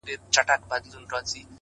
د قبر ته څو پېغلو څو زلميو ماښام;